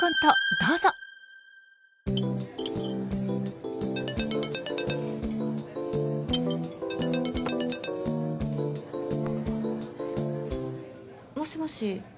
どうぞ！もしもし。